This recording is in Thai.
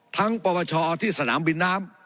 ทั้งประวัติศาสตร์ที่สนามบินน้ำ